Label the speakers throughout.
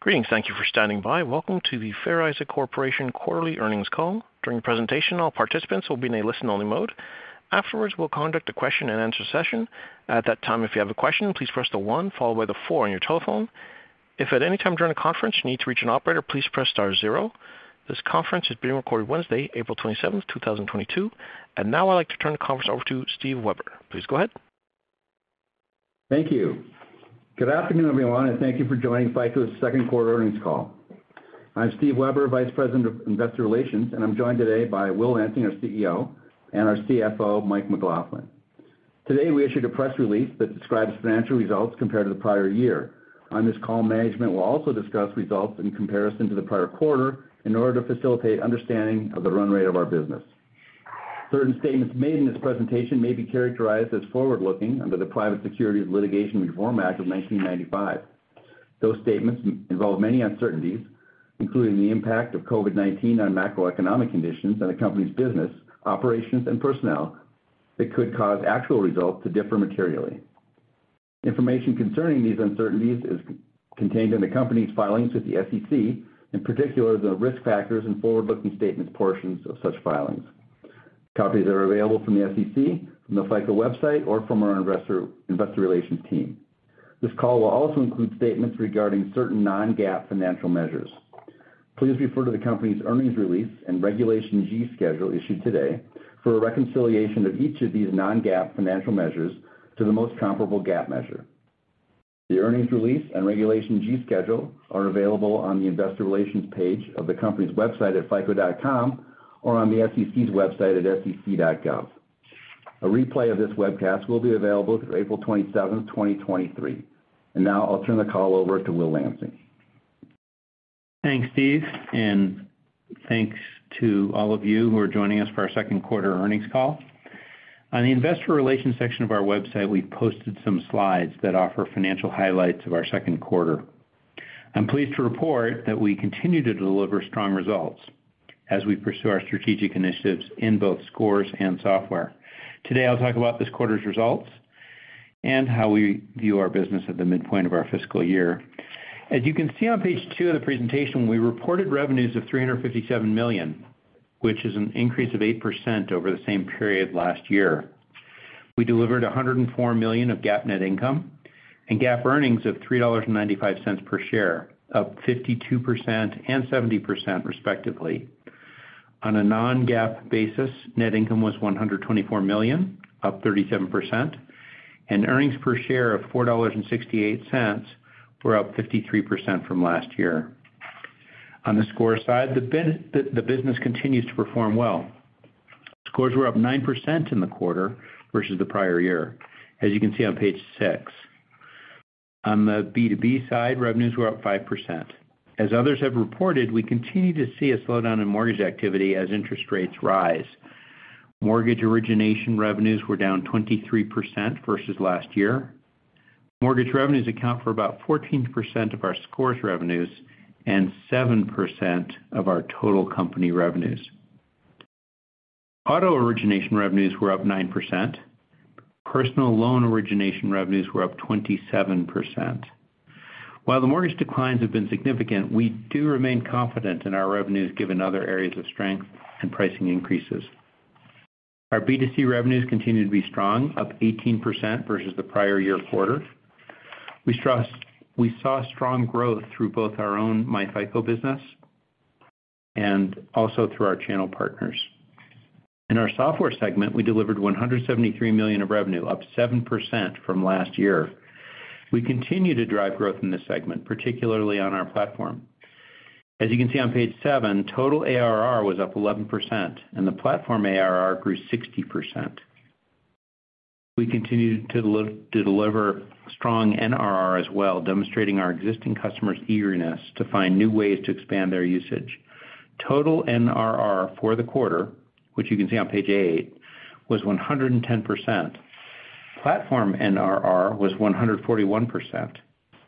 Speaker 1: Greetings. Thank you for standing by. Welcome to the Fair Isaac Corporation quarterly earnings call. During the presentation, all participants will be in a listen-only mode. Afterwards, we'll conduct a question-and-answer session. At that time, if you have a question, please press the one followed by the four on your telephone. If at any time during the conference you need to reach an operator, please press star zero. This conference is being recorded Wednesday, April 27th, 2022. Now I'd like to turn the conference over to Steve Weber. Please go ahead.
Speaker 2: Thank you. Good afternoon, everyone, and thank you for joining FICO's second quarter earnings call. I'm Steve Weber, Vice President of Investor Relations, and I'm joined today by Will Lansing, our CEO, and our CFO, Mike McLaughlin. Today, we issued a press release that describes financial results compared to the prior year. On this call, management will also discuss results in comparison to the prior quarter in order to facilitate understanding of the run rate of our business. Certain statements made in this presentation may be characterized as forward-looking under the Private Securities Litigation Reform Act of 1995. Those statements involve many uncertainties, including the impact of COVID-19 on macroeconomic conditions and the company's business, operations, and personnel that could cause actual results to differ materially. Information concerning these uncertainties is contained in the company's filings with the SEC, in particular, the risk factors and forward-looking statements portions of such filings. Copies are available from the SEC, from the FICO website, or from our investor relations team. This call will also include statements regarding certain non-GAAP financial measures. Please refer to the company's earnings release and Regulation G schedule issued today for a reconciliation of each of these non-GAAP financial measures to the most comparable GAAP measure. The earnings release and Regulation G schedule are available on the investor relations page of the company's website at fico.com or on the SEC's website at sec.gov. A replay of this webcast will be available through April 27, 2023. Now I'll turn the call over to Will Lansing.
Speaker 3: Thanks, Steve, and thanks to all of you who are joining us for our second quarter earnings call. On the Investor Relations section of our website, we posted some slides that offer financial highlights of our second quarter. I'm pleased to report that we continue to deliver strong results as we pursue our strategic initiatives in both Scores and Software. Today, I'll talk about this quarter's results and how we view our business at the midpoint of our fiscal year. As you can see on page 2 of the presentation, we reported revenues of $357 million, which is an increase of 8% over the same period last year. We delivered $104 million of GAAP net income and GAAP earnings of $3.95 per share, up 52% and 70% respectively. On a non-GAAP basis, net income was $124 million, up 37%, and earnings per share of $4.68 were up 53% from last year. On the Score side, the business continues to perform well. Scores were up 9% in the quarter versus the prior year, as you can see on page 6. On the B2B side, revenues were up 5%. As others have reported, we continue to see a slowdown in mortgage activity as interest rates rise. Mortgage origination revenues were down 23% versus last year. Mortgage revenues account for about 14% of our scores revenues and 7% of our total company revenues. Auto origination revenues were up 9%. Personal loan origination revenues were up 27%. While the mortgage declines have been significant, we do remain confident in our revenues given other areas of strength and pricing increases. Our B2C revenues continue to be strong, up 18% versus the prior year quarter. We saw strong growth through both our own myFICO business and also through our channel partners. In our software segment, we delivered $173 million of revenue, up 7% from last year. We continue to drive growth in this segment, particularly on our platform. As you can see on page 7, total ARR was up 11%, and the platform ARR grew 60%. We continue to deliver strong NRR as well, demonstrating our existing customers' eagerness to find new ways to expand their usage. Total NRR for the quarter, which you can see on page 8, was 110%. Platform NRR was 141%,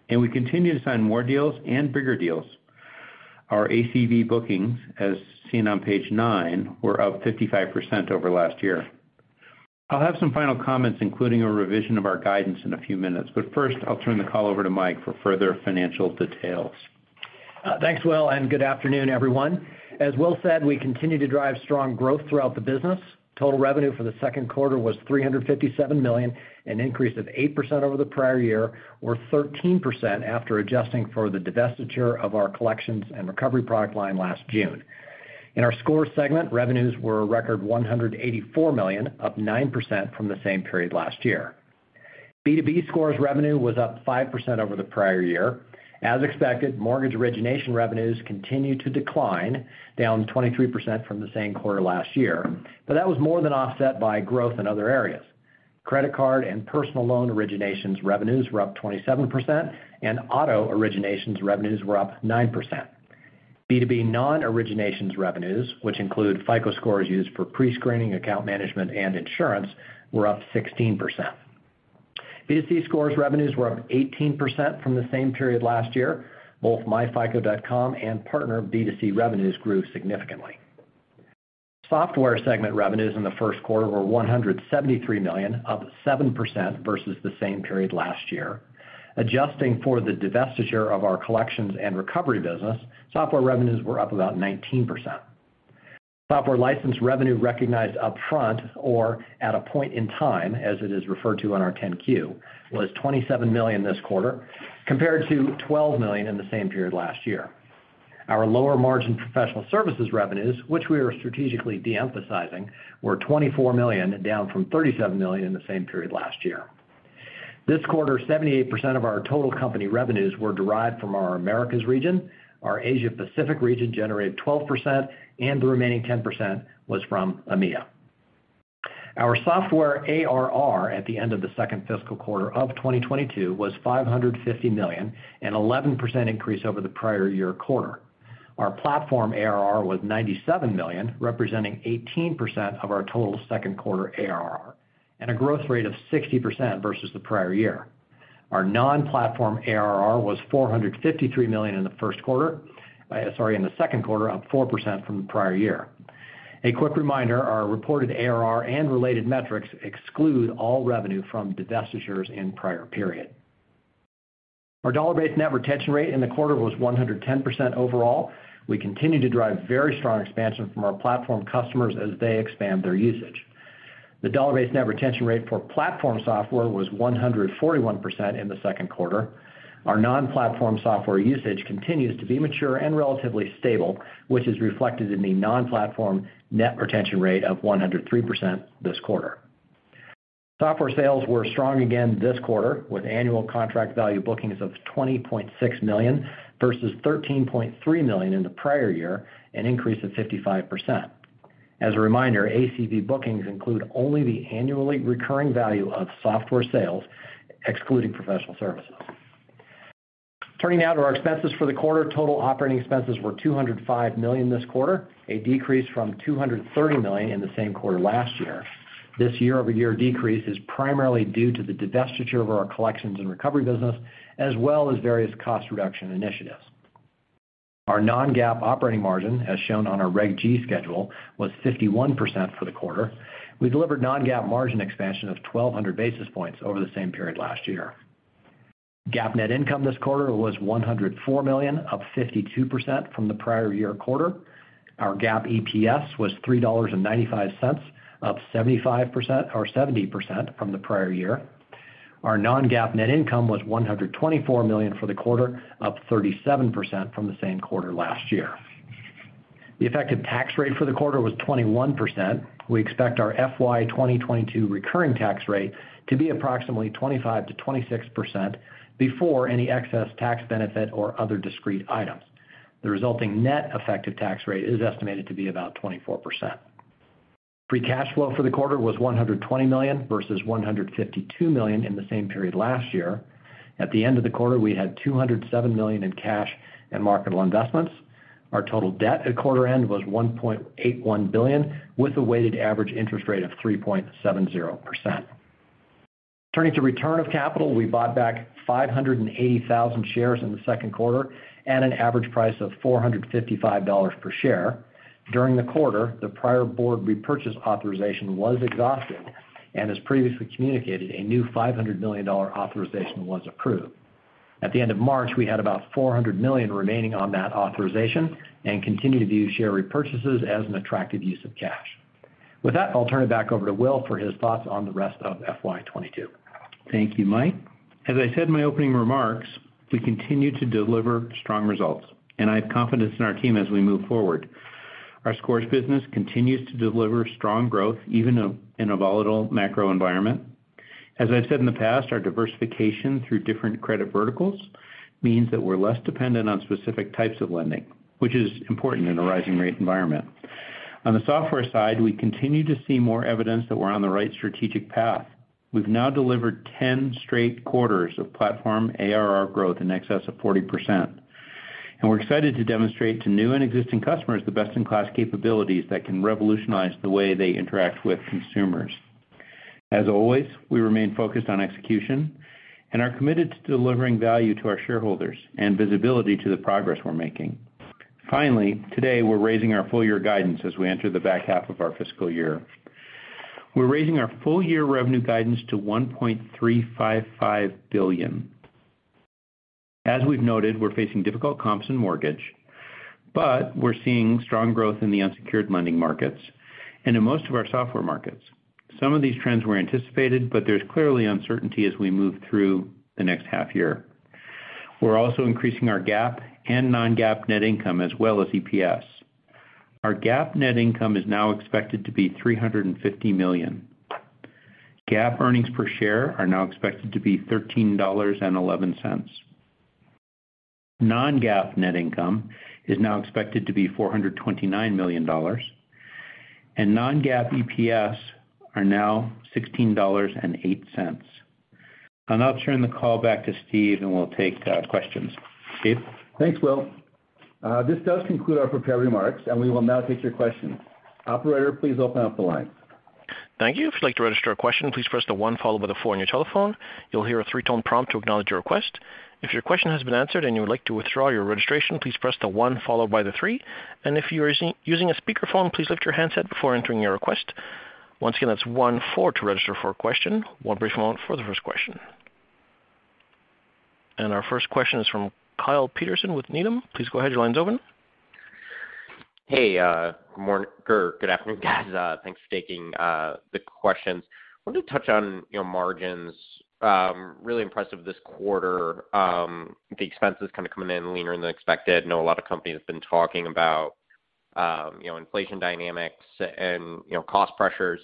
Speaker 3: and we continue to sign more deals and bigger deals. Our ACV bookings, as seen on page 9, were up 55% over last year. I'll have some final comments, including a revision of our guidance in a few minutes, but first, I'll turn the call over to Mike for further financial details.
Speaker 4: Thanks, Will, and good afternoon, everyone. As Will said, we continue to drive strong growth throughout the business. Total revenue for the second quarter was $357 million, an increase of 8% over the prior year, or 13% after adjusting for the divestiture of our collections and recovery product line last June. In our scores segment, revenues were a record $184 million, up 9% from the same period last year. B2B scores revenue was up 5% over the prior year. As expected, mortgage origination revenues continued to decline, down 23% from the same quarter last year. That was more than offset by growth in other areas. Credit card and personal loan originations revenues were up 27%, and auto originations revenues were up 9%. B2B non-originations revenues, which include FICO scores used for prescreening, account management, and insurance, were up 16%. B2C scores revenues were up 18% from the same period last year. Both myfico.com and partner B2C revenues grew significantly. Software segment revenues in the first quarter were $173 million, up 7% versus the same period last year. Adjusting for the divestiture of our collections and recovery business, software revenues were up about 19%. Software license revenue recognized upfront or at a point in time, as it is referred to on our 10-Q, was $27 million this quarter, compared to $12 million in the same period last year. Our lower margin professional services revenues, which we are strategically de-emphasizing, were $24 million, down from $37 million in the same period last year. This quarter, 78% of our total company revenues were derived from our Americas region. Our Asia Pacific region generated 12%, and the remaining 10% was from EMEA. Our software ARR at the end of the second fiscal quarter of 2022 was $550 million, an 11% increase over the prior year quarter. Our platform ARR was $97 million, representing 18% of our total second quarter ARR and a growth rate of 60% versus the prior year. Our non-platform ARR was $453 million in the second quarter, up 4% from the prior year. A quick reminder, our reported ARR and related metrics exclude all revenue from divestitures in prior period. Our dollar-based net retention rate in the quarter was 110% overall. We continue to drive very strong expansion from our platform customers as they expand their usage. The dollar-based net retention rate for platform software was 141% in the second quarter. Our non-platform software usage continues to be mature and relatively stable, which is reflected in the non-platform net retention rate of 103% this quarter. Software sales were strong again this quarter with annual contract value bookings of $20.6 million versus $13.3 million in the prior year, an increase of 55%. As a reminder, ACV bookings include only the annually recurring value of software sales, excluding professional services. Turning now to our expenses for the quarter, total operating expenses were $205 million this quarter, a decrease from $230 million in the same quarter last year. This year-over-year decrease is primarily due to the divestiture of our collections and recovery business, as well as various cost reduction initiatives. Our non-GAAP operating margin, as shown on our Reg G schedule, was 51% for the quarter. We delivered non-GAAP margin expansion of 1,200 basis points over the same period last year. GAAP net income this quarter was $104 million, up 52% from the prior year quarter. Our GAAP EPS was $3.95, up 75% or 70% from the prior year. Our non-GAAP net income was $124 million for the quarter, up 37% from the same quarter last year. The effective tax rate for the quarter was 21%. We expect our FY 2022 recurring tax rate to be approximately 25%-26% before any excess tax benefit or other discrete items. The resulting net effective tax rate is estimated to be about 24%. Free cash flow for the quarter was $120 million versus $152 million in the same period last year. At the end of the quarter, we had $207 million in cash and marketable investments. Our total debt at quarter end was $1.81 billion, with a weighted average interest rate of 3.70%. Turning to return of capital, we bought back 580,000 shares in the second quarter at an average price of $455 per share. During the quarter, the prior board repurchase authorization was exhausted, and as previously communicated, a new $500 million authorization was approved. At the end of March, we had about $400 million remaining on that authorization and continue to view share repurchases as an attractive use of cash. With that, I'll turn it back over to Will for his thoughts on the rest of FY 2022.
Speaker 3: Thank you, Mike. As I said in my opening remarks, we continue to deliver strong results, and I have confidence in our team as we move forward. Our Scores business continues to deliver strong growth even in a volatile macro environment. As I've said in the past, our diversification through different credit verticals means that we're less dependent on specific types of lending, which is important in a rising rate environment. On the Software side, we continue to see more evidence that we're on the right strategic path. We've now delivered 10 straight quarters of platform ARR growth in excess of 40%, and we're excited to demonstrate to new and existing customers the best-in-class capabilities that can revolutionize the way they interact with consumers. As always, we remain focused on execution and are committed to delivering value to our shareholders and visibility to the progress we're making. Finally, today, we're raising our full year guidance as we enter the back half of our fiscal year. We're raising our full year revenue guidance to $1.355 billion. As we've noted, we're facing difficult comps in mortgage, but we're seeing strong growth in the unsecured lending markets and in most of our software markets. Some of these trends were anticipated, but there's clearly uncertainty as we move through the next half year. We're also increasing our GAAP and non-GAAP net income as well as EPS. Our GAAP net income is now expected to be $350 million. GAAP earnings per share are now expected to be $13.11. Non-GAAP net income is now expected to be $429 million, and non-GAAP EPS are now $16.08. I'll now turn the call back to Steve, and we'll take questions. Steve?
Speaker 2: Thanks, Will. This does conclude our prepared remarks, and we will now take your questions. Operator, please open up the line.
Speaker 1: Thank you. If you'd like to register a question, please press the one followed by the four on your telephone. You'll hear a three-tone prompt to acknowledge your request. If your question has been answered and you would like to withdraw your registration, please press the one followed by the three, and if you are using a speakerphone, please lift your handset before entering your request. Once again, that's one four to register for a question. One brief moment for the first question. Our first question is from Kyle Peterson with Needham. Please go ahead. Your line is open.
Speaker 5: Hey, good afternoon, guys. Thanks for taking the questions. Wanted to touch on, you know, margins. Really impressive this quarter. The expenses kind of coming in leaner than expected. I know a lot of companies have been talking about, you know, inflation dynamics and, you know, cost pressures.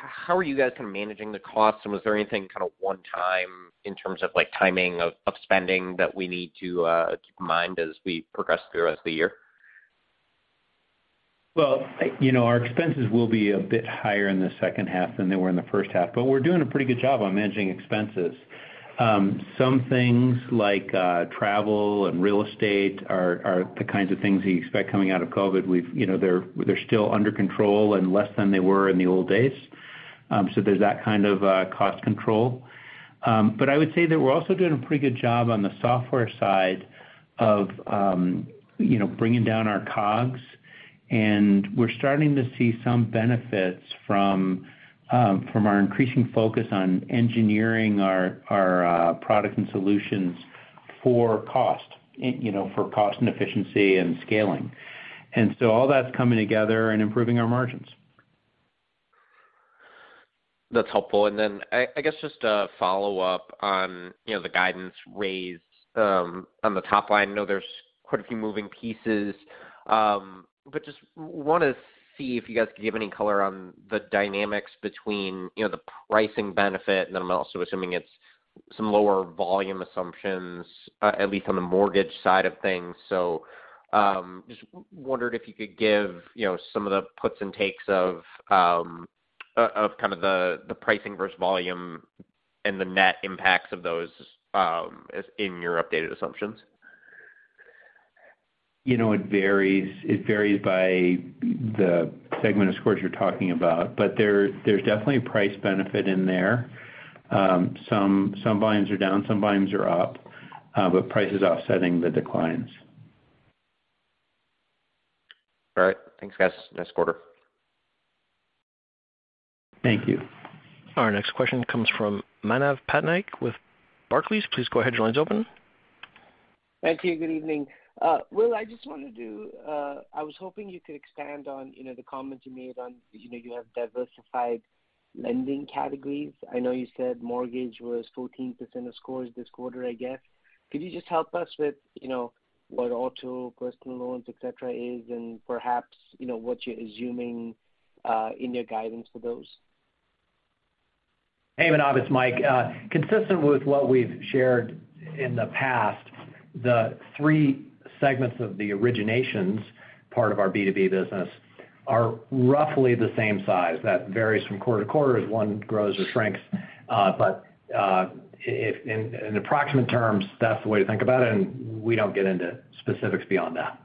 Speaker 5: How are you guys kind of managing the costs, and was there anything kind of one-time in terms of, like, timing of spending that we need to keep in mind as we progress throughout the year?
Speaker 3: Well, you know, our expenses will be a bit higher in the second half than they were in the first half, but we're doing a pretty good job on managing expenses. Some things like travel and real estate are the kinds of things you expect coming out of COVID. You know, they're still under control and less than they were in the old days. So there's that kind of cost control. But I would say that we're also doing a pretty good job on the software side of bringing down our COGS. And we're starting to see some benefits from our increasing focus on engineering our product and solutions for cost and efficiency and scaling. All that's coming together and improving our margins.
Speaker 5: That's helpful. I guess just a follow-up on, you know, the guidance raised on the top line. I know there's quite a few moving pieces. Just wanna see if you guys could give any color on the dynamics between, you know, the pricing benefit, and then I'm also assuming it's some lower volume assumptions, at least on the mortgage side of things. Just wondered if you could give, you know, some of the puts and takes of kind of the pricing versus volume and the net impacts of those as in your updated assumptions.
Speaker 3: You know, it varies. It varies by the segment of scores you're talking about. There, there's definitely a price benefit in there. Some volumes are down, some volumes are up, but price is offsetting the declines.
Speaker 5: All right. Thanks, guys. Next quarter.
Speaker 3: Thank you.
Speaker 1: Our next question comes from Manav Patnaik with Barclays. Please go ahead. Your line is open.
Speaker 6: Thank you. Good evening. Will, I was hoping you could expand on, you know, the comments you made on, you know, you have diversified lending categories. I know you said mortgage was 14% of scores this quarter, I guess. Could you just help us with, you know, what Auto, Personal Loans, et cetera, is and perhaps, you know, what you're assuming in your guidance for those?
Speaker 4: Hey, Manav. It's Mike. Consistent with what we've shared in the past, the three segments of the originations part of our B2B business are roughly the same size. That varies from quarter to quarter as one grows or shrinks. In approximate terms, that's the way to think about it, and we don't get into specifics beyond that.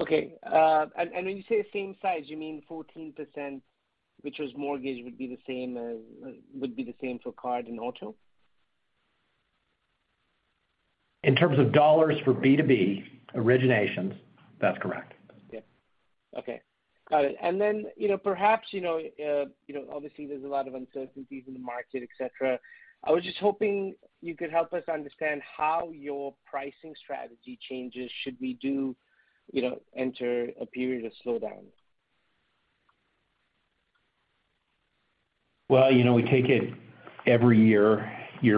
Speaker 6: Okay. When you say same size, you mean 14%, which was mortgage, would be the same for card and auto?
Speaker 4: In terms of dollars for B2B originations, that's correct.
Speaker 6: Yeah. Okay. Got it. Then, you know, perhaps, you know, you know, obviously there's a lot of uncertainties in the market, et cetera. I was just hoping you could help us understand how your pricing strategy changes should we do, you know, enter a period of slowdown.
Speaker 4: Well, you know, we take it every year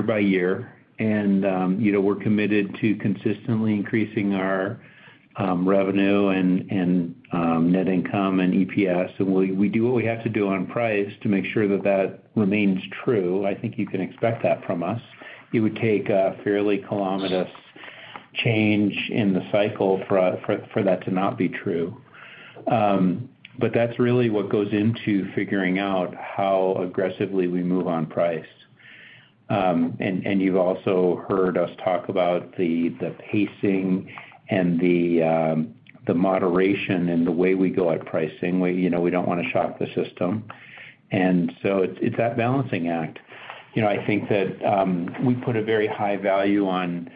Speaker 4: by year. You know, we're committed to consistently increasing our revenue and net income and EPS. We do what we have to do on price to make sure that that remains true. I think you can expect that from us. It would take a fairly calamitous change in the cycle for that to not be true. That's really what goes into figuring out how aggressively we move on price. You've also heard us talk about the pacing and the moderation in the way we go at pricing. We, you know, don't wanna shock the system. It's that balancing act. You know, I think that, we put a very high value on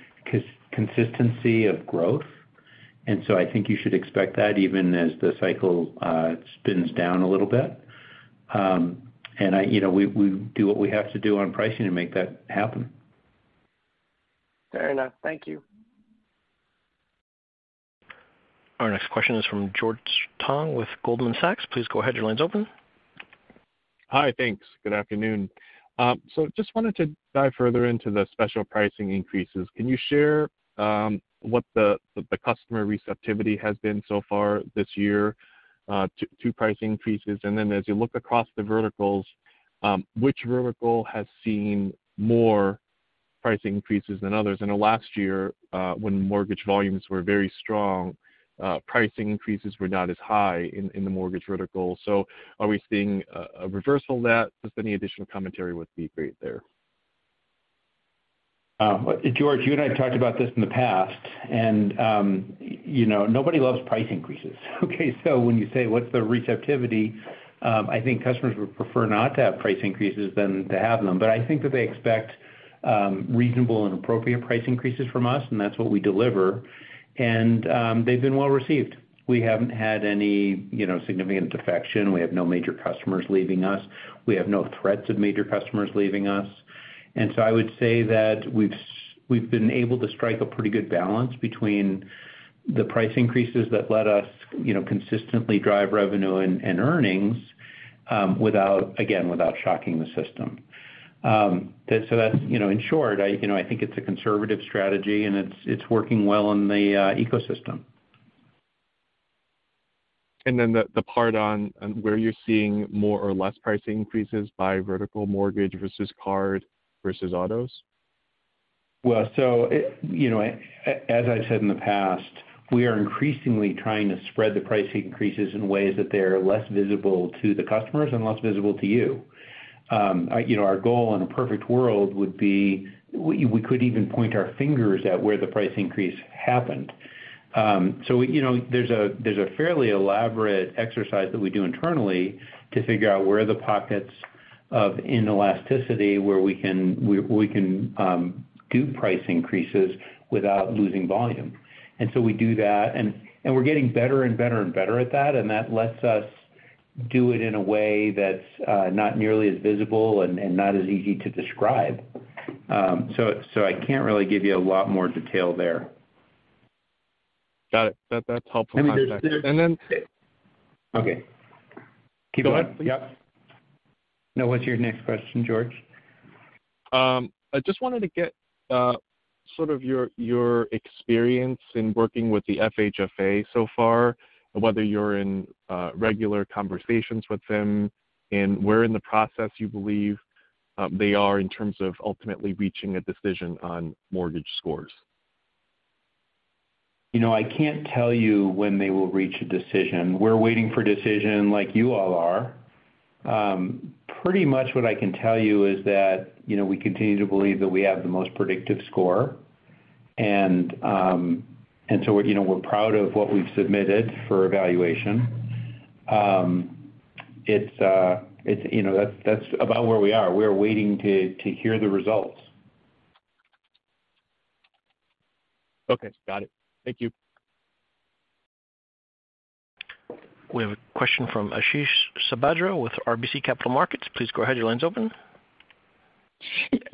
Speaker 4: consistency of growth, and so I think you should expect that even as the cycle spins down a little bit. You know, we do what we have to do on pricing to make that happen.
Speaker 6: Fair enough. Thank you.
Speaker 1: Our next question is from George Tong with Goldman Sachs. Please go ahead. Your line is open.
Speaker 7: Hi. Thanks. Good afternoon. Just wanted to dive further into the special pricing increases. Can you share what the customer receptivity has been so far this year to price increases? Then as you look across the verticals, which vertical has seen more price increases than others? I know last year, when mortgage volumes were very strong, price increases were not as high in the mortgage vertical. Are we seeing a reversal of that? Just any additional commentary would be great there.
Speaker 3: George, you and I have talked about this in the past, and you know, nobody loves price increases. Okay. When you say what's the receptivity, I think customers would prefer not to have price increases than to have them. I think that they expect reasonable and appropriate price increases from us, and that's what we deliver. They've been well received. We haven't had any, you know, significant defection. We have no major customers leaving us. We have no threats of major customers leaving us. I would say that we've been able to strike a pretty good balance between the price increases that let us, you know, consistently drive revenue and earnings, without again, without shocking the system. That's, you know, in short, I, you know, I think it's a conservative strategy, and it's working well in the ecosystem.
Speaker 7: The part on where you're seeing more or less price increases by vertical mortgage versus card versus autos.
Speaker 3: You know, as I've said in the past, we are increasingly trying to spread the price increases in ways that they are less visible to the customers and less visible to you. You know, our goal in a perfect world would be we could even point our fingers at where the price increase happened. So, you know, there's a fairly elaborate exercise that we do internally to figure out where the pockets of inelasticity, where we can do price increases without losing volume. We do that, and we're getting better and better and better at that, and that lets us do it in a way that's not nearly as visible and not as easy to describe. So I can't really give you a lot more detail there.
Speaker 7: Got it. That, that's helpful context.
Speaker 3: I mean, there's
Speaker 7: And then-
Speaker 3: Okay. Keep going.
Speaker 7: Go ahead, please.
Speaker 3: Yep. No, what's your next question, George?
Speaker 7: I just wanted to get sort of your experience in working with the FHFA so far, and whether you're in regular conversations with them, and where in the process you believe they are in terms of ultimately reaching a decision on mortgage scores.
Speaker 3: You know, I can't tell you when they will reach a decision. We're waiting for a decision like you all are. Pretty much what I can tell you is that, you know, we continue to believe that we have the most predictive score. You know, we're proud of what we've submitted for evaluation. It's, you know, that's about where we are. We are waiting to hear the results.
Speaker 7: Okay. Got it. Thank you.
Speaker 1: We have a question from Ashish Sabadra with RBC Capital Markets. Please go ahead. Your line's open.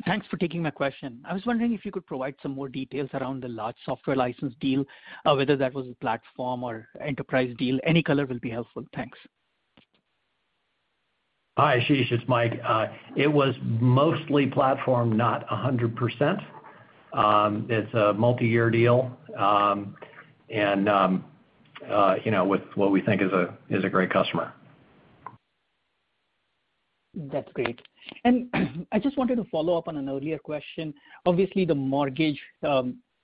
Speaker 8: Thanks for taking my question. I was wondering if you could provide some more details around the large software license deal, whether that was a platform or enterprise deal. Any color will be helpful. Thanks.
Speaker 4: Hi, Ashish. It's Mike. It was mostly platform, not 100%. It's a multi-year deal, you know, with what we think is a great customer.
Speaker 8: That's great. I just wanted to follow up on an earlier question. Obviously, the mortgage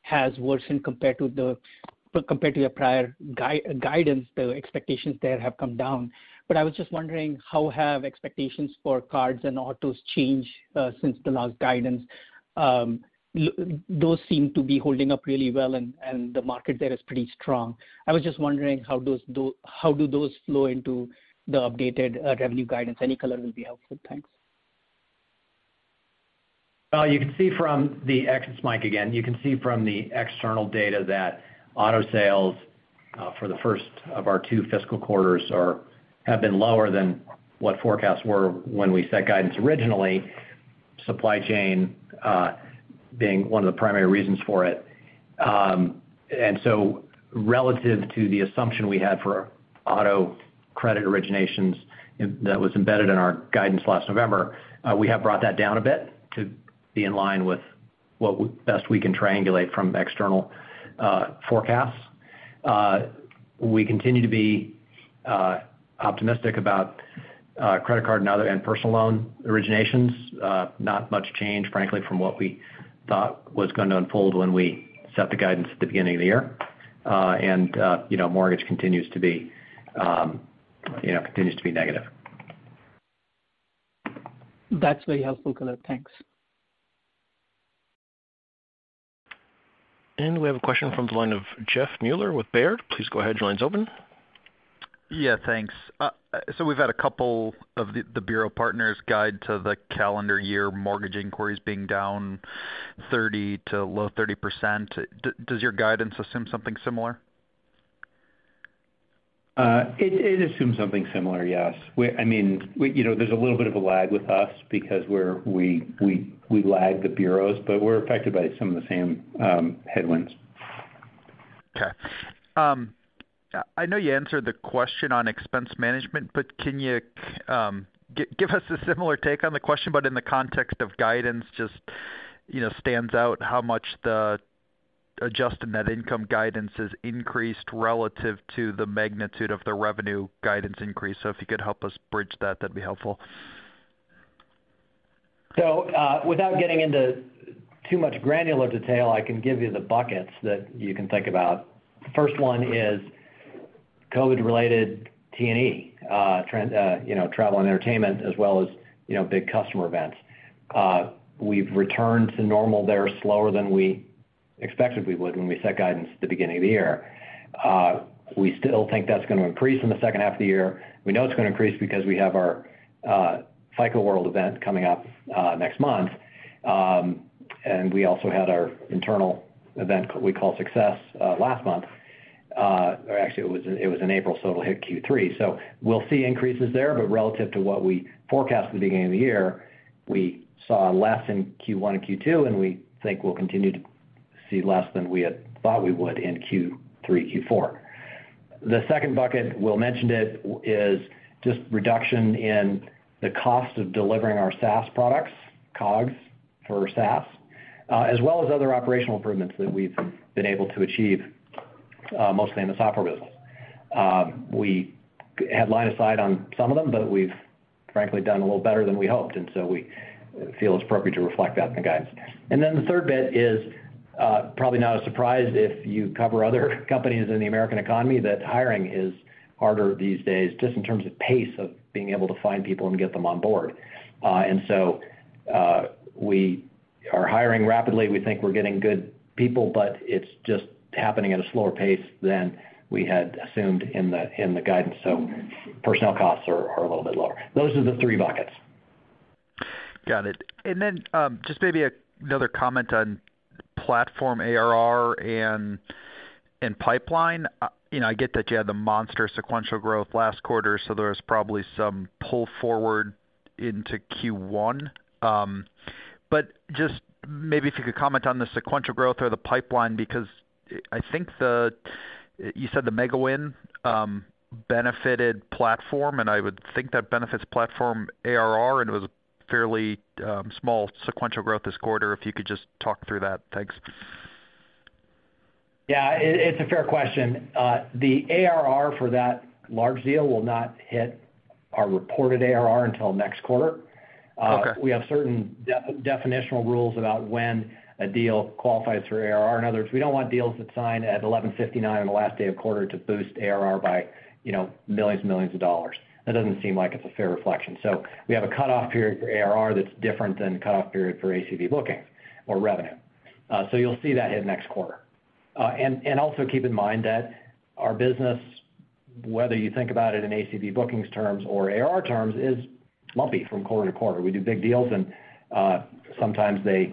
Speaker 8: has worsened compared to your prior guidance. The expectations there have come down. I was just wondering, how have expectations for cards and autos changed since the last guidance? Those seem to be holding up really well and the market there is pretty strong. I was just wondering how those flow into the updated revenue guidance. Any color will be helpful. Thanks.
Speaker 4: It's Mike again. You can see from the external data that auto sales for the first of our two fiscal quarters have been lower than what forecasts were when we set guidance originally, supply chain being one of the primary reasons for it. Relative to the assumption we had for auto credit originations that was embedded in our guidance last November, we have brought that down a bit to be in line with what best we can triangulate from external forecasts. We continue to be optimistic about credit card and other and personal loan originations. Not much change, frankly, from what we thought was gonna unfold when we set the guidance at the beginning of the year. You know, mortgage continues to be, you know, continues to be negative.
Speaker 8: That's very helpful color. Thanks.
Speaker 1: We have a question from the line of Jeff Mueller with Baird. Please go ahead. Your line's open.
Speaker 9: Yeah, thanks. We've had a couple of the bureau partners' guidance for the calendar year mortgage inquiries being down 30%-low 30%. Does your guidance assume something similar?
Speaker 4: It assumes something similar, yes. I mean, you know, there's a little bit of a lag with us because we lag the bureaus, but we're affected by some of the same headwinds.
Speaker 9: Okay. I know you answered the question on expense management, but can you give us a similar take on the question, but in the context of guidance, just, you know, stands out how much the Adjusted Net Income guidance has increased relative to the magnitude of the revenue guidance increase. If you could help us bridge that'd be helpful.
Speaker 4: without getting into too much granular detail, I can give you the buckets that you can think about. The first one is COVID-related T&E trend, you know, travel and entertainment as well as, you know, big customer events. We've returned to normal there slower than we expected we would when we set guidance at the beginning of the year. We still think that's gonna increase in the second half of the year. We know it's gonna increase because we have our FICO World event coming up next month. We also had our internal event we call Success last month. Or actually it was in April, so it'll hit Q3. We'll see increases there. Relative to what we forecast at the beginning of the year, we saw less in Q1 and Q2, and we think we'll continue to see less than we had thought we would in Q3-Q4. The second bucket, Will mentioned it, is just reduction in the cost of delivering our SaaS products, COGS for SaaS, as well as other operational improvements that we've been able to achieve, mostly in the software business. We had line of sight on some of them, but we've frankly done a little better than we hoped, and so we feel it's appropriate to reflect that in the guidance. Then the third bit is, probably not a surprise if you cover other companies in the American economy, that hiring is harder these days just in terms of pace of being able to find people and get them on board. We are hiring rapidly. We think we're getting good people, but it's just happening at a slower pace than we had assumed in the guidance. Personnel costs are a little bit lower. Those are the three buckets.
Speaker 9: Got it. Just maybe another comment on platform ARR and pipeline. You know, I get that you had the monster sequential growth last quarter, so there was probably some pull forward into Q1. Just maybe if you could comment on the sequential growth or the pipeline, because I think that you said the mega win benefited platform, and I would think that benefits platform ARR, and it was a fairly small sequential growth this quarter. If you could just talk through that. Thanks.
Speaker 4: Yeah, it's a fair question. The ARR for that large deal will not hit our reported ARR until next quarter.
Speaker 9: Okay.
Speaker 4: We have certain definitional rules about when a deal qualifies for ARR. In other words, we don't want deals that sign at 11:59 P.M. on the last day of quarter to boost ARR by, you know, millions and millions of dollars. That doesn't seem like it's a fair reflection. We have a cutoff period for ARR that's different than the cutoff period for ACV bookings or revenue. You'll see that hit next quarter. Also keep in mind that our business, whether you think about it in ACV bookings terms or ARR terms, is lumpy from quarter to quarter. We do big deals, and sometimes they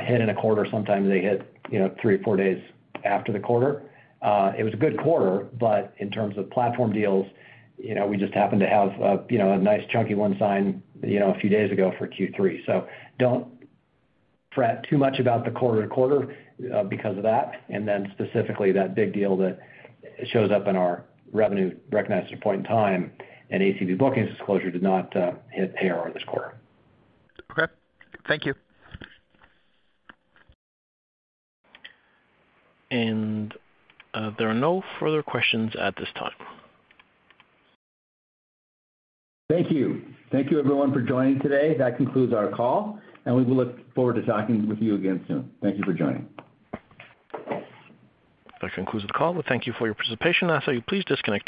Speaker 4: hit in a quarter, sometimes they hit, you know, 3 or 4 days after the quarter. It was a good quarter, but in terms of platform deals, you know, we just happened to have a nice chunky one signed, you know, a few days ago for Q3. Don't fret too much about the quarter-to-quarter, because of that. Specifically that big deal that shows up in our revenue recognized at a point in time, an ACV bookings disclosure did not hit ARR this quarter.
Speaker 9: Okay. Thank you.
Speaker 1: There are no further questions at this time.
Speaker 2: Thank you. Thank you everyone for joining today. That concludes our call, and we will look forward to talking with you again soon. Thank you for joining.
Speaker 1: That concludes the call. We thank you for your participation. I ask that you please disconnect your line.